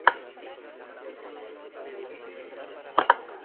Estuvo otra temporada más en Philadelphia antes de ser traspasado a New Jersey Nets.